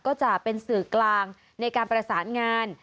ก็จะเป็นสื่อกลางในการประสานงาน